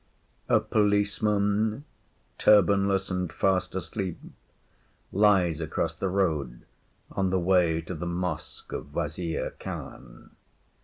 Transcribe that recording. A policeman turbanless and fast asleep lies across the road on the way to the Mosque of Wazir Khan.